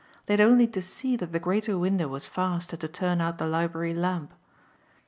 They had only to see that the greater window was fast and to turn out the library lamp.